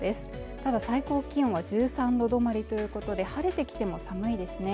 ただ最高気温は１３度止まりということで晴れてきても寒いですね